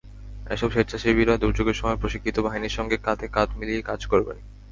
এসব স্বেচ্ছাসেবীরা দুর্যোগের সময় প্রশিক্ষিত বাহিনীর সঙ্গে কাঁধে কাঁধ মিলিয়ে কাজ করবেন।